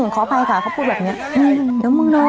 เขาพูดแบบนี้อืมเดี๋ยวมึงนอน